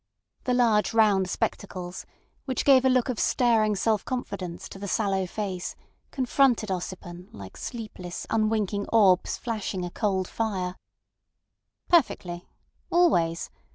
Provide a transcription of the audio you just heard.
The large round spectacles, which gave a look of staring self confidence to the sallow face, confronted Ossipon like sleepless, unwinking orbs flashing a cold fire. "Perfectly. Always.